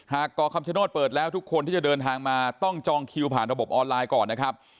ก่อคำชโนธเปิดแล้วทุกคนที่จะเดินทางมาต้องจองคิวผ่านระบบออนไลน์ก่อนนะครับ